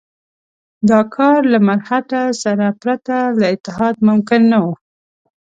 دا کار له مرهټه سره پرته له اتحاد ممکن نه وو.